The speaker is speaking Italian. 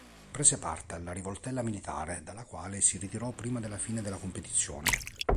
Prese parte alla rivoltella militare, dalla quale si ritirò prima della fine della competizione.